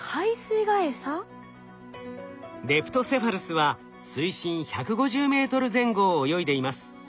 レプトセファルスは水深１５０ｍ前後を泳いでいます。